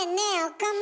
岡村。